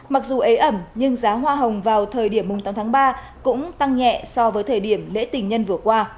mặc dù ế ẩm nhưng giá hoa hồng vào thời điểm tám tháng ba cũng tăng nhẹ so với thời điểm lễ tình nhân vừa qua